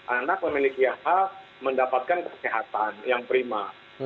anak memiliki hal mendapatkan kesehatan yang prima